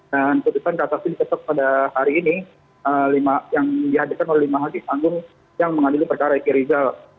dan keputusan kasasi diketuk pada hari ini yang dihadirkan oleh lima hakim anggung yang mengandung perkara riki rizal